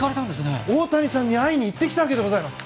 大谷さんに会いに行ってきたわけでございます。